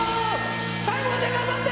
最後まで頑張って！